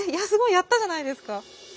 やったじゃないですか。